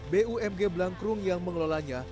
bumg blangkrung yang mengelolanya